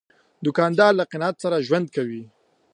دوکاندار له قناعت سره ژوند کوي.